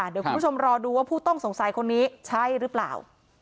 เดี๋ยวคุณผู้ชมรอดูว่าผู้ต้องสงสัยคนนี้ใช่หรือเปล่า